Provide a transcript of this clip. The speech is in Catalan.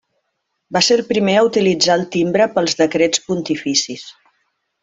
Va ser el primer a utilitzar el timbre pels decrets pontificis.